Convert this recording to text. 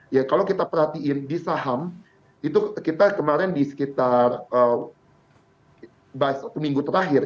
ya kalau kita perhatiin di saham itu kita kemarin di sekitar satu minggu terakhir